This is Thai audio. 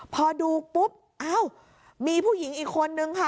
พอดูปุ๊บอ้าวมีผู้หญิงอีกคนนึงค่ะ